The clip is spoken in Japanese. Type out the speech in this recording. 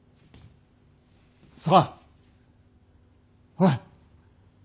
ほら！